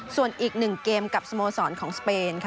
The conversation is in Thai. ส่วนอีก๑เกมกับสโมสรของสเปนค่ะ